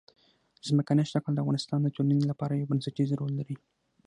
ځمکنی شکل د افغانستان د ټولنې لپاره یو بنسټيز رول لري.